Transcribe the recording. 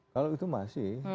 kalau itu masih